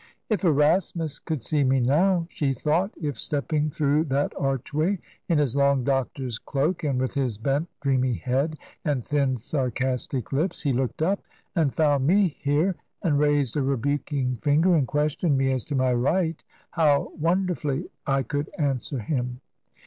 " If Erasmus could see me now !" she thought. " If, stepping through that archway in his long doctor's cloak and with his bent, dreamy head and thin, sarcastic lips, he looked up and found me here, and raised a rebuking finger and questioned me as to my right, how wonder fully I could answer him!